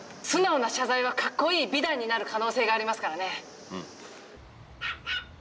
素直な謝罪はかっこいい美談になる可能性がありますからね。